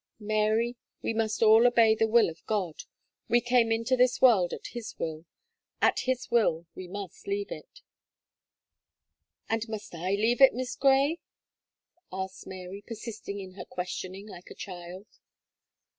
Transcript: "Mary, we must all obey the will of God; we came into this world at His will, at His will we must leave it." "And must I leave it, Miss Gray?" asked Mary, persisting in her questioning like a child.